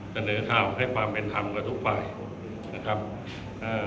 เสนอข่าวให้ความเป็นธรรมกับทุกฝ่ายนะครับเอ่อ